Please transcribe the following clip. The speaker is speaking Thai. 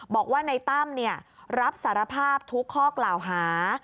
บอกว่าในตั้มรับสารภาพทุกข้อกล่าวหา